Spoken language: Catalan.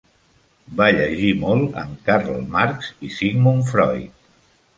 Va llegir molt en Karl Marx i Sigmund Freud.